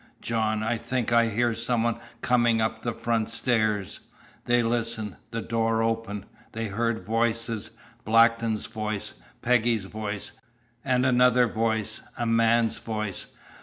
"John, I think I hear some one coming up the front steps!" They listened. The door opened. They heard voices Blackton's voice, Peggy's voice, and another voice a man's voice.